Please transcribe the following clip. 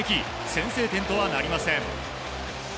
先制点とはなりません。